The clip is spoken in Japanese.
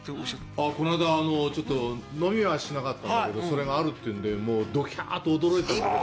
この間、ちょっと飲みはしなかったんだけど、それがあるというので、どひゃあっと驚いたんだけど。